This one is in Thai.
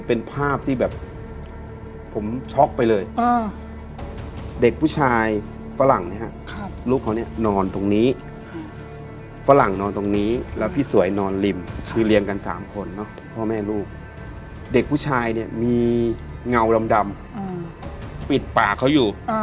พอออกจากห้องน้ำมาเนี่ย